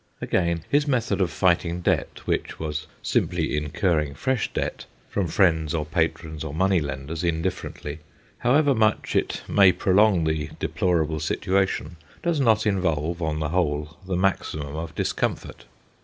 Again, his method of fighting debt, which was simply incurring fresh debt, from friends or patrons or money lenders indiffer ently, however much it may prolong the deplorable situation, does not involve, on the whole, the maximum of discomfort.